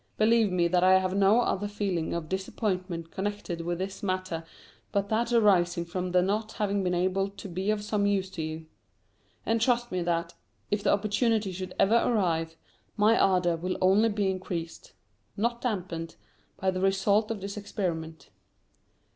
Believe me that I have no other feeling of disappointment connected with this matter but that arising from the not having been able to be of some use to you. And trust me that, if the opportunity should ever arrive, my ardour will only be increased not damped by the result of this experiment.